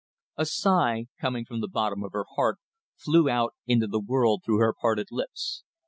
... A sigh coming from the bottom of her heart, flew out into the world through her parted lips.